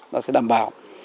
ta sẽ đảm bảo